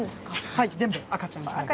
はい全部赤ちゃんクラゲ。